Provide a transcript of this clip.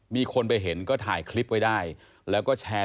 มีคนไปเห็นก็ถ่ายคลิปไว้ได้แล้วก็แชร์